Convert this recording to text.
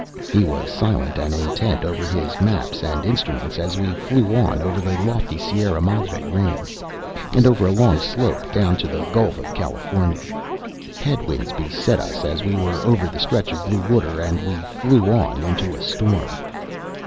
He was silent and intent over his maps and instruments as we flew on over the lofty Sierra Madre Range, and over a long slope down to the Gulf of California. Head winds beset us as we were over the stretch of blue water, and we flew on into a storm.